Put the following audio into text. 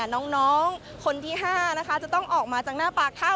น้องคนที่๕นะคะจะต้องออกมาจากหน้าปากถ้ำ